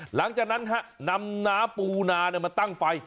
หลังจากนั้นนำน้ำปูนามาตั้งไฟ